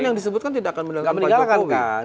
yang disebut kan tidak akan meninggalkan pak jokowi